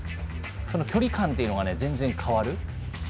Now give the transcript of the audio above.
距離感というのが全然、変わる。